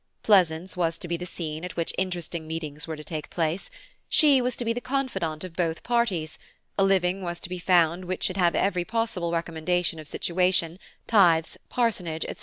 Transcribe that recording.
Pleasance was to be the scene at which interesting meetings were to take place; she was to be the confidante of both parties, a living was to be found which should have every possible recommendation of situation, tithes, parsonage, &c.